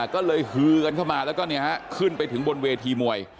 ก็เลยฮือกันเข้ามาแล้วก็ขึ้นไปถึงบนเวทีมวย